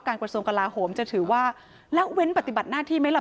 กระทรวงกลาโหมจะถือว่าละเว้นปฏิบัติหน้าที่ไหมล่ะ